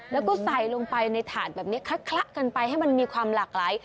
แล้วก็ใส่ลงไปในถาดแบบนี้คละกันไปให้มันมีความหลากหลาย